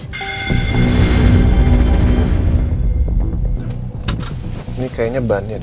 ini kayaknya ban ya